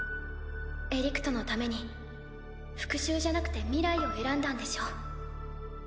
エリクトのために復讐じゃなくて未来を選んだんでしょ。